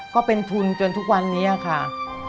ก็เป็นทุนจนทุกวันนี้ค่ะ